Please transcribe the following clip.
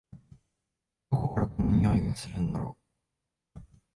どこからこの匂いがするんだろ？